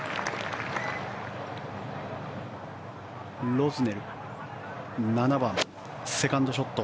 ロズネル７番、セカンドショット。